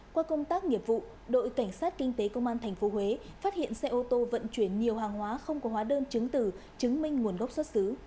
các bạn hãy đăng ký kênh để ủng hộ kênh của chúng mình nhé